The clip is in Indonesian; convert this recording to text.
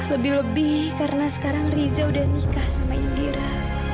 lebih lebih karena sekarang riza udah nikah sama indira